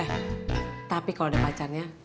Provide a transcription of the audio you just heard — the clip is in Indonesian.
eh tapi kalau ada pacarnya